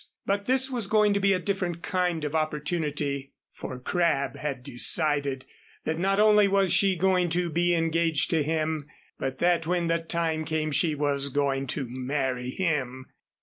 But this was going to be a different kind of opportunity, for Crabb had decided that not only was she going to be engaged to him, but that when the time came she was going to marry him.